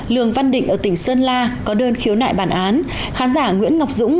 lường văn định ở tỉnh sơn la có đơn khiếu nại bản án khán giả nguyễn ngọc dũng